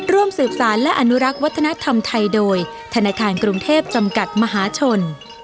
ร่วมสืบสารและอนุรักษ์วัฒนธรรมไทยโดยธนาคารกรุงเทพจำกัดมหาชน